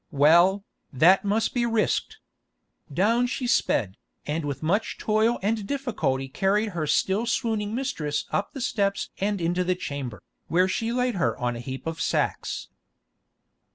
Well, that must be risked. Down she sped, and with much toil and difficulty carried her still swooning mistress up the steps and into the chamber, where she laid her on a heap of sacks.